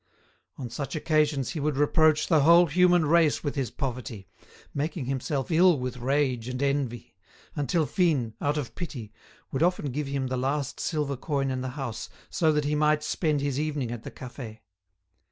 On such occasions he would reproach the whole human race with his poverty, making himself ill with rage and envy, until Fine, out of pity, would often give him the last silver coin in the house so that he might spend his evening at the cafe.